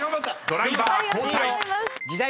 ［ドライバー交代］